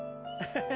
ハハハハ。